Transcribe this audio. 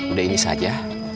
udah ini saja